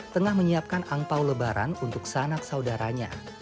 tengah menyiapkan angpau lebaran untuk sanak saudaranya